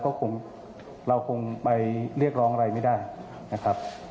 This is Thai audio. ก็คงเราคงไปเรียกร้องอะไรไม่ได้นะครับ